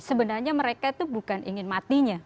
sebenarnya mereka itu bukan ingin matinya